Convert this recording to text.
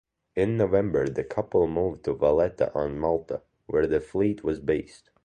In November the couple moved to Valletta on Malta where the fleet was based.